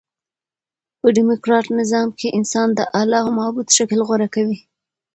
په ډیموکراټ نظام کښي انسان د اله او معبود شکل غوره کوي.